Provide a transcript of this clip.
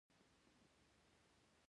باسواده ښځې په سوداګرۍ کې بریالۍ کیدی شي.